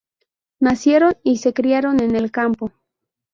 Nacieron y se criaron en el campo.